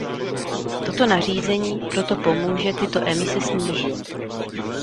Toto nařízení proto pomůže tyto emise snížit.